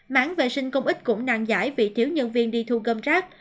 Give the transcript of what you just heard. mãn vệ sinh công ích cũng nàng giải vì thiếu nhân viên đi thu gâm rác